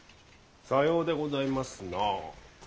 さようでございますなあ。